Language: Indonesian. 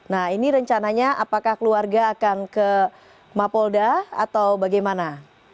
nah ini rencananya apakah keluarga akan ke mapolda atau bagaimana